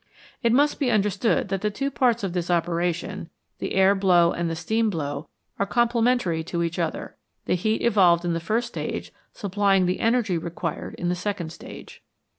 It must be understood that the two parts of this operation, the air blow and the steam blow, are complementary to each other, the heat evolved in the first stage supplying the energy required in the second stage.